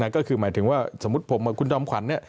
ก็คือหมายถึงว่าสมมติผมกับคุณดอมขวัญ